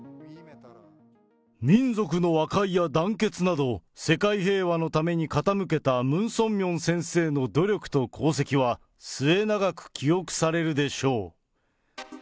民族の和解や団結など、世界平和のために傾けたムン・ソンミョン先生の努力と功績は、末永く記憶されるでしょう。